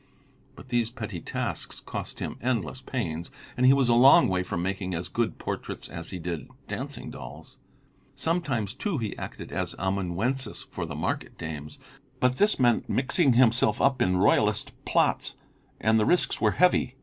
But these petty tasks cost him endless pains, and he was a long way from making as good portraits as he did dancing dolls. Sometimes, too, he acted as amanuensis for the Market dames, but this meant mixing himself up in Royalist plots, and the risks were heavy.